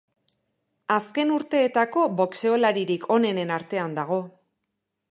Azken urteetako boxeolaririk onenen artean dago.